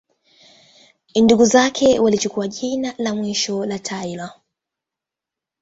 Ndugu zake walichukua jina la mwisho la Taylor.